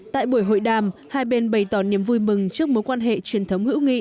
tại buổi hội đàm hai bên bày tỏ niềm vui mừng trước mối quan hệ truyền thống hữu nghị